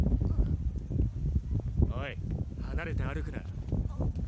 オイ離れて歩くな。